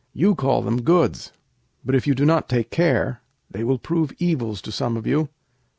You call them goods, but, if you do not take care, they will prove evils to some of you.